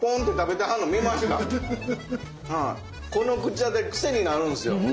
この口あたり癖になるんすよ。